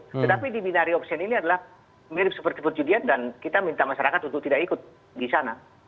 tetapi di binari option ini adalah mirip seperti perjudian dan kita minta masyarakat untuk tidak ikut di sana